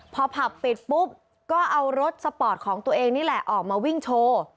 พอผับปิดปุ๊บก็เอารถสปอร์ตของตัวเองนี่แหละออกมาวิ่งโชว์